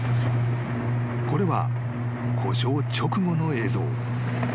［これは故障直後の映像］